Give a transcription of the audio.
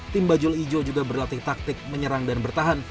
tim bajul ijo juga berlatih taktik menyerang dan bertahan